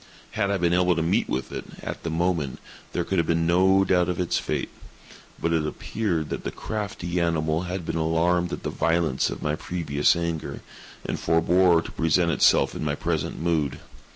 Had I been able to meet with it, at the moment, there could have been no doubt of its fate; but it appeared that the crafty animal had been alarmed at the violence of my previous anger, and forebore to present itself in my present mood.